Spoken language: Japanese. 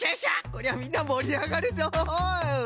こりゃみんなもりあがるぞ！